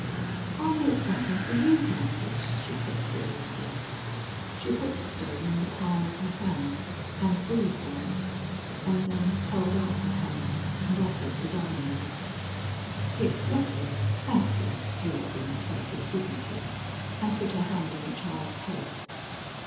"I'll make something for you, Grandy," she said seriously. She put the stone in the palm of her hand, and breathed on it, and then held out her hand and offered the diamond. "It's lovely. Thank you," the old woman said with dignity, and put her hand on the child's head.